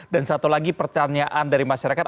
dan satu lagi pertanyaan dari masyarakat